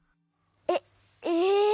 えっえ？